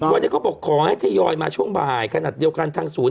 วันนี้เขาบอกขอให้ทยอยมาช่วงบ่ายขนาดเดียวกันทางศูนย์